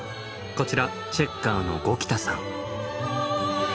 こちらチェッカーの五木田さん。